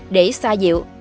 để xa dịu